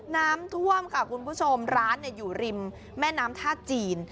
น้ำท่วมค่ะคุณผู้ชมร้านอยู่ริมแม่น้ำท่าจีน